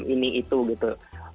ini itu gitu